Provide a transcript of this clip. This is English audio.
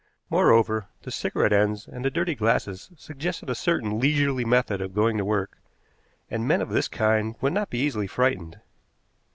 Moreover, the cigarette ends and the dirty glasses suggested a certain leisurely method of going to work, and men of this kind would not be easily frightened.